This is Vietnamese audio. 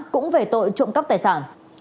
cũng về tội trộm cắp tài sản